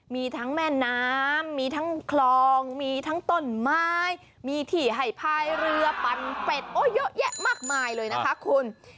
มีทั้งแม่น้ำมีทั้งคลองมีทั้งต้นไม้มีที่ให้พายเรือปั่นเป็ดโอ้เยอะแยะมากมายเลยนะคะคุณ